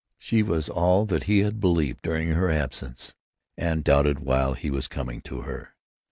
She was all that he had believed during her absence and doubted while he was coming to her.